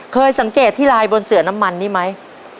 เคยสังเกตที่ลายบนเสือน้ำมันนี่ไหม